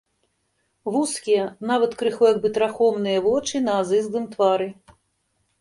Вузкія, нават крыху як бы трахомныя, вочы на азызлым твары.